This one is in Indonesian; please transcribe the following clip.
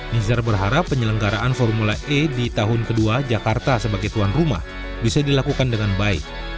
nizar berharap penyelenggaraan formula e di tahun kedua jakarta sebagai tuan rumah bisa dilakukan dengan baik